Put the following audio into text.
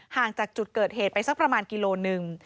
ห่างจากจุดเกิดเหตุไปสักประมาณกิโลหนึ่ง